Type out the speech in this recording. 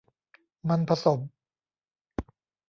มันผสม